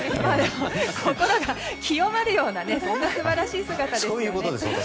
心が清まるような素晴らしい姿ですよね。